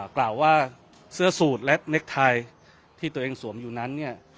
กล่าวว่าเสื้อสูตรและเค็กไทยที่ตัวเองสวมอยู่นั้นเนี่ย